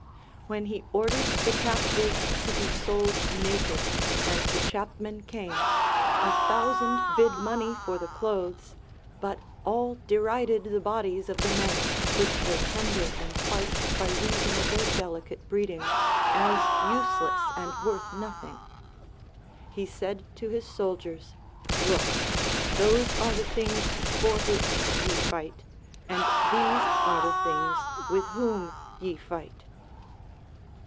When he ordered the captives to be sold naked and the chapmen came, a thousand bid money for the clothes, but all derided the bodies of the men, which were tender and white by reason of their delicate breeding, as useless and worth nothing. He said to his soldiers, Look, those are the things for which ye fight, and these are the things with whom ye fight.